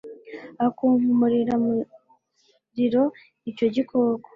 akunkumurira mu muriro icyo gikoko